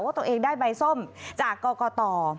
ตัวเองได้ใบส้มจากกรกต